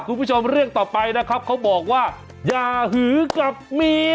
คุณผู้ชมเรื่องต่อไปนะครับเขาบอกว่าอย่าหือกับเมีย